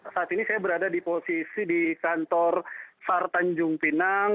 saat ini saya berada di posisi di kantor sar tanjung pinang